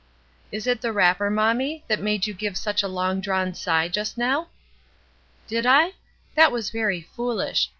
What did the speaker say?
"Is it the wrapper, mommie, that made you give such a long drawn sigh, just now?" "Did I? That was very foolish.